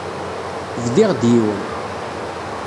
Bdiɣ-d yiwen.